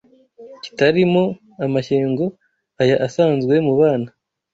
Kitali mo amashyengo Aya asanzwe mu bana